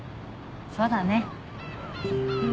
そうだね。